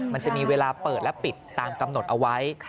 มันจะมีเวลาเปิดและปิดตามกำหนดเอาไว้